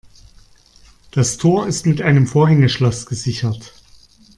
Das Tor ist mit einem Vorhängeschloss gesichert.